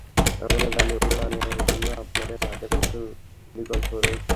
আমরা জানি উড়ানের জন্য আপনাদের হাতে প্রচুর বিকল্প রয়েছে।